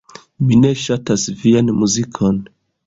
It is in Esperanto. Mi ne ŝatas vian muzikon.